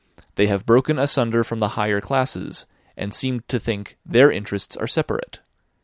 They have broken asunder from the higher classes, and seem to think their interests are separate.